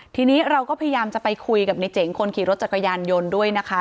ทีนี้เราก็พยายามจะไปคุยกับในเจ๋งคนขี่รถจักรยานยนต์ด้วยนะคะ